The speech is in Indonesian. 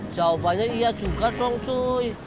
jawabannya iya juga dong cu